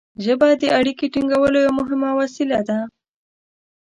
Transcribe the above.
ژبه د اړیکې ټینګولو یوه مهمه وسیله ده.